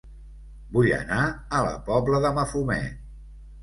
Vull anar a La Pobla de Mafumet